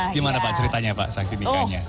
gimana pak ceritanya pak saksi nikahnya